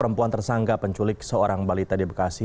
perempuan tersangka penculik seorang balita di bekasi